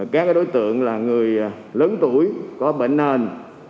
các đối tượng là người lớn tuổi có bệnh nền